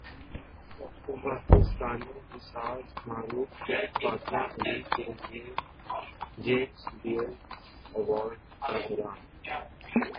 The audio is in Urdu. پاکستانی نژاد معروف شیف فاطمہ علی کیلئے جیمز بیئرڈ ایوارڈ کا اعلان